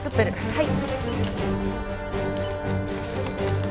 はい。